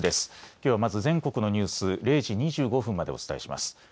きょうはまず全国のニュース、０時２５分までお伝えします。